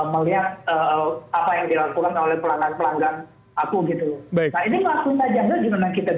nah ini ngaku aja gak gimana kita bisa harapin dia berubah gitu loh